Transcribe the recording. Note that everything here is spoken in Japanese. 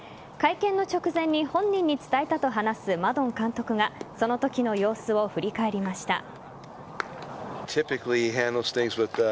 会見の直前に本人に伝えたと話すマドン監督がその時の様子を振り返りました。